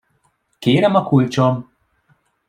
Kérem a kulcsom!